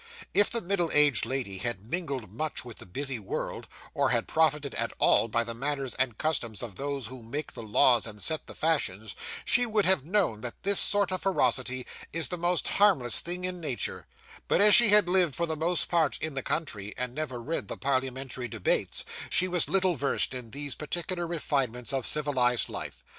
If the middle aged lady had mingled much with the busy world, or had profited at all by the manners and customs of those who make the laws and set the fashions, she would have known that this sort of ferocity is the most harmless thing in nature; but as she had lived for the most part in the country, and never read the parliamentary debates, she was little versed in these particular refinements of civilised life.